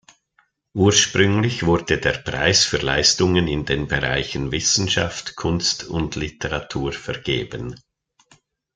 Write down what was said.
Ursprünglich wurde der Preis für Leistungen in den Bereichen Wissenschaft, Kunst und Literatur vergeben.